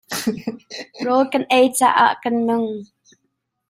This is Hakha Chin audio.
Rawl kan ei caah kan nung.